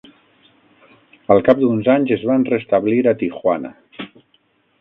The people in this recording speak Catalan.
Al cap d'uns anys, es van restablir a Tijuana.